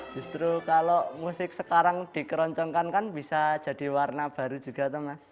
justru kalau musik sekarang dikeroncongkan kan bisa jadi warna baru juga mas